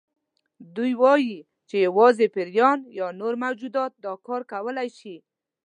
دوی وایي چې یوازې پیریان یا نور موجودات دا کار کولی شي.